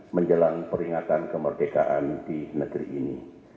menjelang peringatan kemerdekaan di negeri ini